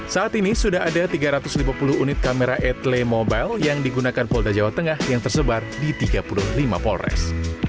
saat ini sudah ada tiga ratus lima puluh unit kamera etle mobile yang digunakan polda jawa tengah yang tersebar di tiga puluh lima polres